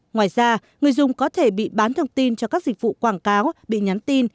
ngoài ra người dùng có thể bị bán thông tin cho các dịch vụ quảng cáo bị nhắn tin